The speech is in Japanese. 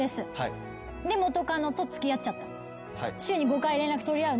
で元カノと付き合っちゃった。